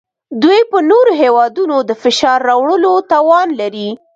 دوی په نورو هیوادونو د فشار راوړلو توان نلري